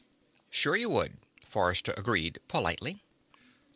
"Sure you would," Forrester agreed politely.